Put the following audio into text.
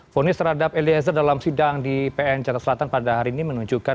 fonis terhadap eliezer dalam sidang di pn jakarta selatan pada hari ini menunjukkan